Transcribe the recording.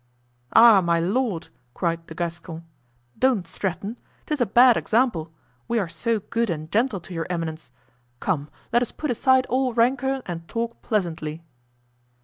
"Ah! my lord!" cried the Gascon, "don't threaten! 'tis a bad example. We are so good and gentle to your eminence. Come, let us put aside all rancor and talk pleasantly."